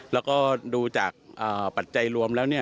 แล้วก็ดูจากปัจจัยรวมแล้ว